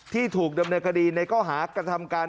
ที่ถูกดำเนินคดีในข้อหากระทำการ